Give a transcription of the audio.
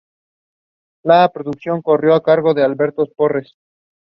The Melton and Rutland constituency is Conservative.